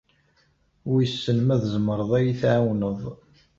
Wissen ma tzemreḍ ad iyi-tɛawneḍ.